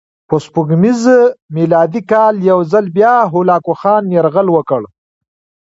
په سپوږمیز میلادي کال یو ځل بیا هولاکوخان یرغل وکړ.